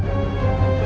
aku mau kemana